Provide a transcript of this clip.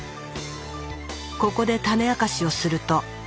ここで種明かしをすると。